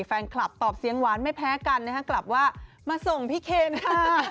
แฟนคลับตอบเสียงหวานไม่แพ้กันนะฮะกลับว่ามาส่งพี่เคนค่ะ